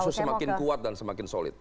kasus semakin kuat dan semakin solid